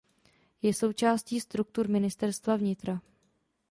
Je součástí struktur Ministerstva vnitra.